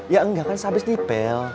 ya enggak kan sehabis dipel